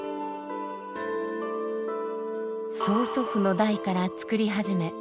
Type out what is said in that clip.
曽祖父の代から作り始め